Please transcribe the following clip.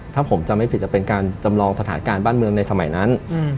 ถ้าผมจำไม่ผิดจะเป็นการจำลองสถานการณ์บ้านเมืองในสมัยนั้น